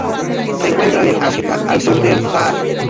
Se encuentran en África, al sur del Sáhara.